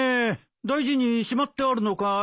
大事にしまってあるのかい？